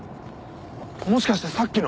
もしかしてさっきの？